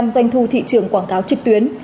bảy mươi doanh thu thị trường quảng cáo trực tuyến